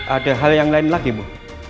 ada hal yang lain lagi bu